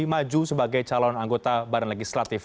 maju sebagai calon anggota badan legislatif